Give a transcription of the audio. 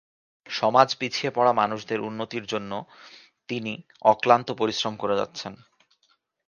সমাজ পিছিয়ে পড়া মানুষদের উন্নতির জন্য তিনি অক্লান্ত পরিশ্রম করে যাচ্ছেন।